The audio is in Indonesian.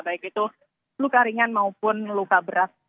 baik itu luka ringan maupun luka berat